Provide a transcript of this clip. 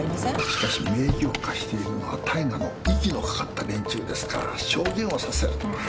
しかし名義を貸しているのは大我の息のかかった連中ですから証言をさせるのは。